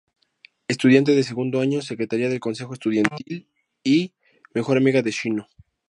Estudiante de segundo año, secretaría del consejo estudiantil y mejor amiga de Shino.